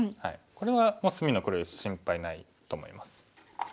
これは隅の黒石心配ないと思います。